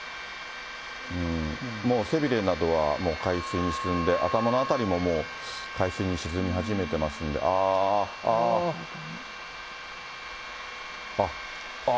もう背びれなどは、もう海水に沈んで、頭の辺りももう、海水に沈み始めてますんで、あー、あー。